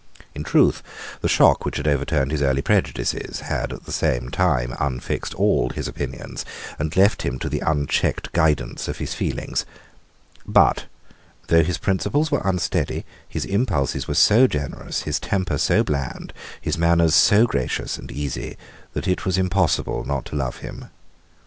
In truth the shock which had overturned his early prejudices had at the same time unfixed all his opinions, and left him to the unchecked guidance of his feelings. But, though his principles were unsteady, his impulses were so generous, his temper so bland, his manners so gracious and easy, that it was impossible not to love him.